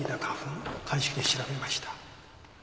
鑑識で調べました。